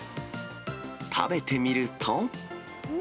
食べてみると。